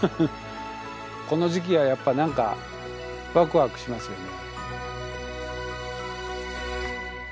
この時期はやっぱ何かワクワクしますよね。